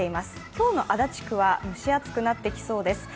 今日の足立区は蒸し暑くなってきそうです。